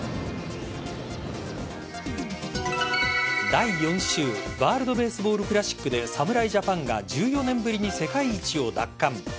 第４週ワールド・ベースボール・クラシックで侍ジャパンが１４年ぶりに世界一を奪還。